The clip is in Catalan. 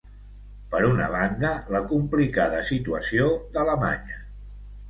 Per una banda, la complicada situació d’Alemanya.